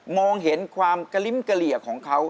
มองเห็นความกะลิ้มเกลี่ยของเขา